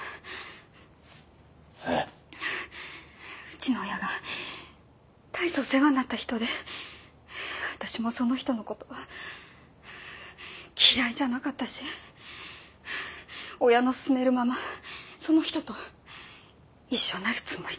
うちの親が大層世話になった人で私もその人の事嫌いじゃなかったし親の勧めるままその人と一緒になるつもりでいたの。